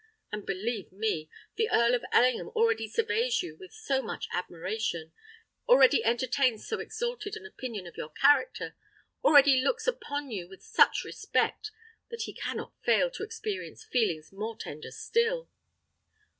And, believe me, the Earl of Ellingham already surveys you with so much admiration—already entertains so exalted an opinion of your character—already looks upon you with such respect, that he cannot fail to experience feelings more tender still!"